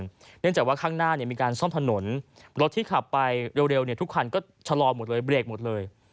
เนื่องจากว่าข้างหน้ามีการซ่อมถนนรถที่ขับไปเร็วทุกคันก็ชะลอหมดเลยเบรกหมดเลย